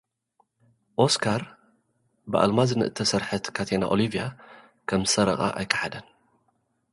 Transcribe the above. ኦስካር፡ ብኣልማዝ ንእተሰርሐት ካቴና ኦሊቭያ ከምዝሰረቓ ኣይከሓደን።